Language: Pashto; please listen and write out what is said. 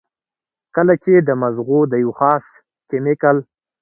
کله چې د مزغو د يو خاص کېميکل